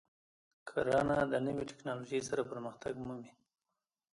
کرنه د نوې تکنالوژۍ سره پرمختګ مومي.